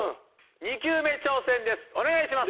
２球目挑戦です